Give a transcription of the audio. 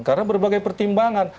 karena berbagai pertimbangan